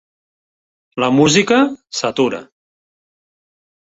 La música s'atura.